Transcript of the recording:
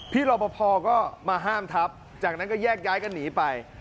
รอปภก็มาห้ามทับจากนั้นก็แยกย้ายกันหนีไป